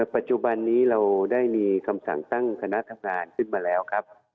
ปัจจุบันนี้เราได้มีคำสั่งตั้งคณะทำงานขึ้นมาแล้วครับ